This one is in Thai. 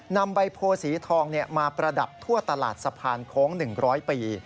นำใบโพสีทองมาประดับทั่วตลาดสะพานโค้ง๑๐๐ปี